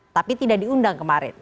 tapi tidak diundang kemarin